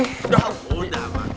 udah udah amanda